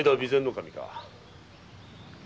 守か。